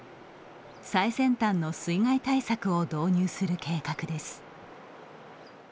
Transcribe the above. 最先端の水害対策を導入する計画です。